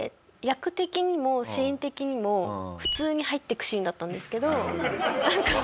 役的にもシーン的にも普通に入っていくシーンだったんですけどなんか。